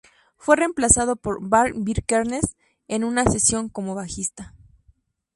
Fue reemplazado por Varg Vikernes en una sesión como bajista.